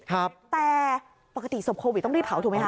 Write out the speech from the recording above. แต่ปกติศพโควิดต้องรีบเผาถูกไหมค